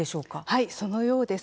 はい、そのようです。